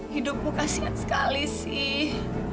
hidupmu kasian sekali sih